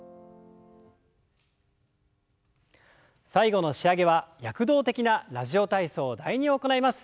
最後の仕上げは躍動的な「ラジオ体操第２」を行います。